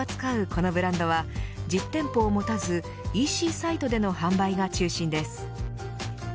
このブランドは実店舗を持たずＥＣサイトでの販売が中心です。